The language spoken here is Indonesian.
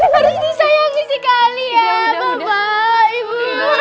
harus disayangi sekali ya bapak ibu